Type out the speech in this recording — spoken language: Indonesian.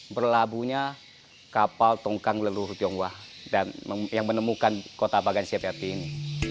perlabuhnya kapal tongkang leluhur tionghoa yang menemukan kota bagan siapiapi ini